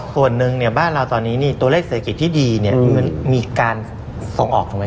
ส่วนหนึ่งบ้านเราตอนนี้ตัวเลขเศรษฐกิจที่ดีมีการส่งออกเอ็กซ์ปอล์ต